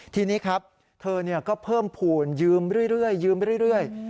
ทีนี้ครับเธอก็เพิ่มภูมิยืมเรื่อยยืมไปเรื่อย